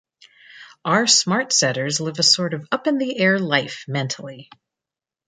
Our smart setters live a sort of up-in-the-air life mentally.